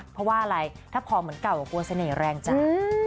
เพราะว่าอะไรถ้าพอเหมือนเก่าก็กลัวเสน่ห์แรงจ้า